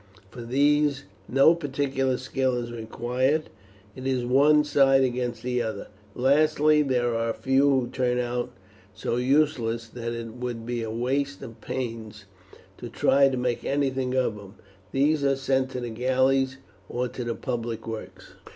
For these no particular skill is required; it is one side against the other. Lastly, there are a few who turn out so useless that it would be a waste of pains to try to make anything of them. These are sent to the galleys, or to the public works."